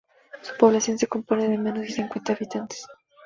Su población se compone de menos de cincuenta habitantes.